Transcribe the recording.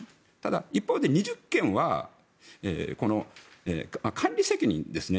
一方で２０件は管理責任ですね。